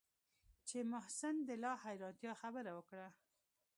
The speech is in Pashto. چې محسن د لا حيرانتيا خبره وکړه.